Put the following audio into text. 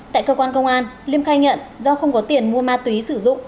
tại cơ quan công an liêm khai nhận do không có tiền mua ma túy sử dụng